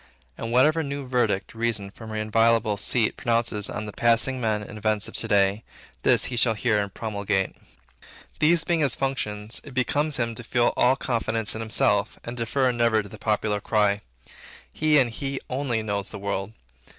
And whatsoever new verdict Reason from her inviolable seat pronounces on the passing men and events of to day, this he shall hear and promulgate. These being his functions, it becomes him to feel all confidence in himself, and to defer never to the popular cry. He and he only knows the world.